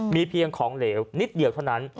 มีเพียงของเหลวนิดเดียวเท่านั้น